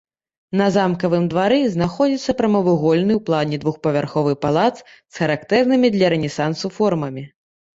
На замкавым двары знаходзіцца прамавугольны ў плане двухпавярховы палац з характэрнымі для рэнесансу формамі.